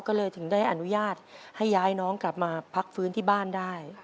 ก็เลยถึงได้อนุญาตให้ย้ายน้องกลับมาพักฟื้นที่บ้านได้